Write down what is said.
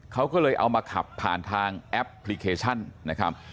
เขาก็เลยเอามาขับผ่านทางแอปพลิเคชันนะครับ